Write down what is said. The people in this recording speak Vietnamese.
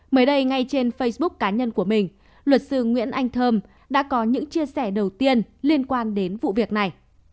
mới đây ngay trên facebook cá nhân của mình luật sư nguyễn anh thơm đã có những chia sẻ đầu tiên liên quan đến vụ việc này